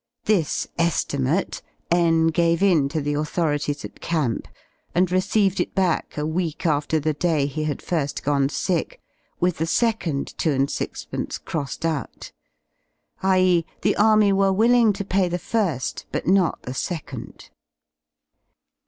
This e^imate N gave in to the authorities at camp and received it back a week after the day he had fir^ gone sick with the second 2/6 crossed out — i.e., the Army were willing to pay the fir^ but not the second.